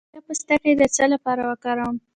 د کیلې پوستکی د څه لپاره وکاروم؟